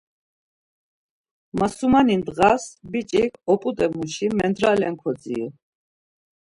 Masumani ndğas biç̌ik oput̆e muşi mendralen kodziru.